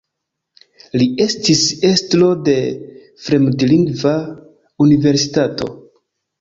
Li estis estro de Fremdlingva Universitato.